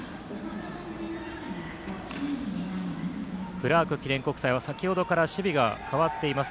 クラーク記念国際は先ほどから守備がかわっています。